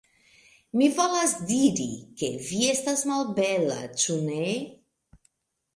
Vi volas diri, ke vi estas malbela, ĉu ne?